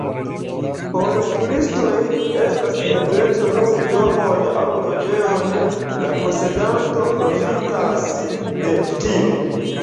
Por turistoj estas ebleco lui domon aŭ loĝejon, la posedanto profitas de tio.